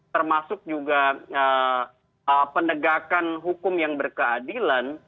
termasuk juga penegakan hukum yang berkeadilan